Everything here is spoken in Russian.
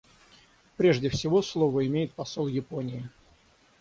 Прежде всего слово имеет посол Японии.